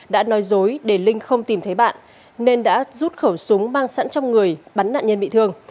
đã nói dối để linh không tìm thấy bạn nên đã rút khẩu súng mang sẵn trong người bắn nạn nhân bị thương